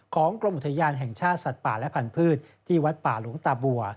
กรมอุทยานแห่งชาติสัตว์ป่าและพันธุ์ที่วัดป่าหลวงตาบัว